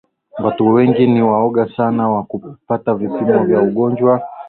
Watu wengi ni waoga sana wa kupata vipimo vya ugonjwa